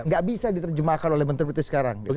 gak bisa diterjemahkan oleh menteri menteri sekarang